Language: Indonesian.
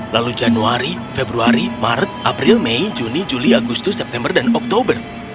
lalu januari februari maret april mei juni juli agustus september dan oktober